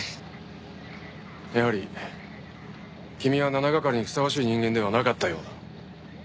やはり君は７係にふさわしい人間ではなかったようだ。